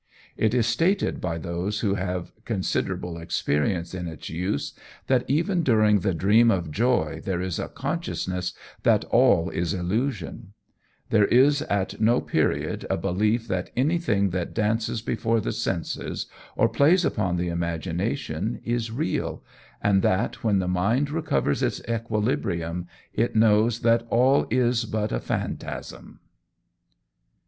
It is stated by those who have had considerable experience in its use, that even during the dream of joy there is a consciousness that all is illusion; there is at no period a belief that anything that dances before the senses or plays upon the imagination is real, and that when the mind recovers its equilibrium it knows that all is but a phantasm.